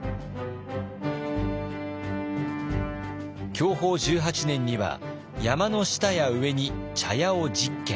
享保１８年には山の下や上に茶屋を１０軒。